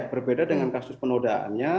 berbeda dengan kasus penodaannya